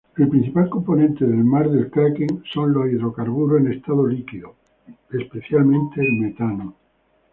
El principal componente del mar del Kraken son hidrocarburos en estado líquido, especialmente metano.